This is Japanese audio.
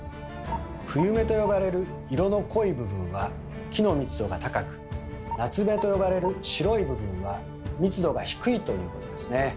「冬目」と呼ばれる色の濃い部分は木の密度が高く「夏目」と呼ばれる白い部分は密度が低いということですね。